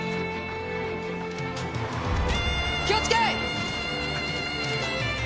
気をつけ！